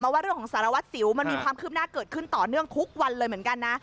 ว่าเรื่องของสารวัตรสิวมันมีความคืบหน้าเกิดขึ้นต่อเนื่องทุกวันเลยเหมือนกันนะ